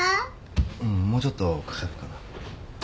もうちょっとかかるかな。